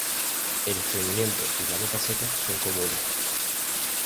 El estreñimiento y la boca seca son comunes.